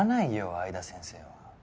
相田先生は。